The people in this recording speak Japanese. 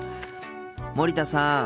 森田さん。